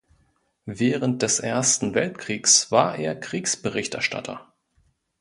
Während des Ersten Weltkriegs war er Kriegsberichterstatter.